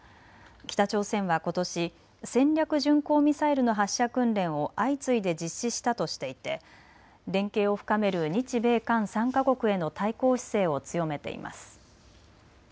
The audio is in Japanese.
北朝鮮はことし戦略巡航ミサイルの発射訓練を相次いで実施したとしていて連携を深める日米韓３か国への対抗姿勢を強めています。